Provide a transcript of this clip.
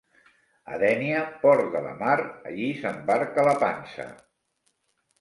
A Dénia, port de la mar, allí s’embarca la pansa.